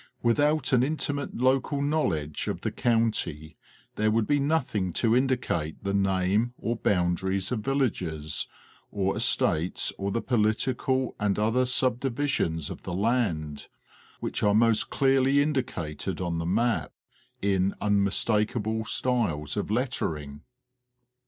Without an intimate local knowledge of the county there would — be nothing to indicate the name or boundaries of villages, or estates or the political and other subdivisions of the land, which are most clearly indicated on the map, in unmistakable styles of lettering.